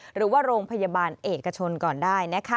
หรือว่าโรงพยาบาลเอกชนก่อนได้